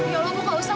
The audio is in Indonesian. ya allah kamu gak usah